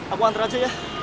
aku antar aja ya